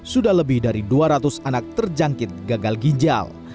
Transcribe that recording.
sudah lebih dari dua ratus anak terjangkit gagal ginjal